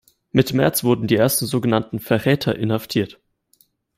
Mitte März wurden die ersten so genannten "Verräter" inhaftiert.